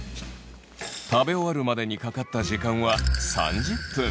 食べ終わるまでにかかった時間は３０分。